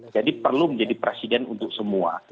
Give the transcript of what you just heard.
jadi perlu menjadi presiden untuk semua